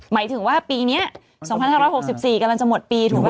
หมายถึงว่าปีนี้๒๕๖๔กำลังจะหมดปีถูกป่